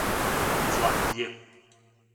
轉熱